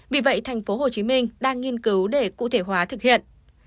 vì vậy tp hcm đang nghiên cứu để cụ thể hóa thực hiện